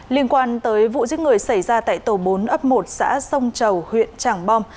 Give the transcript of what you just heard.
liên quan tới vụ giết người xảy ra tại tổ bốn ấp một xã sông chầu huyện tràng bom